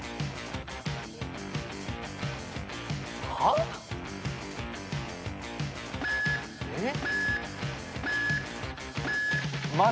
はぁ？えっ？